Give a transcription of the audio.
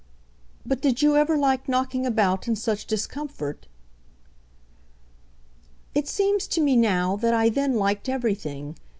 "But did you ever like knocking about in such discomfort?" "It seems to me now that I then liked everything.